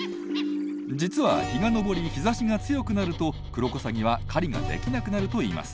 実は日が昇り日ざしが強くなるとクロコサギは狩りができなくなるといいます。